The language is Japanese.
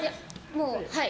もうはい。